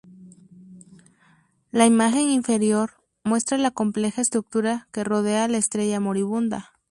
La imagen inferior muestra la compleja estructura que rodea a la estrella moribunda.